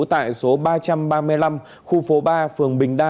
tại số ba trăm ba mươi năm khu phố ba phường bình đa